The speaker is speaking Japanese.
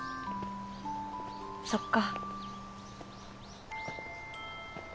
そっか。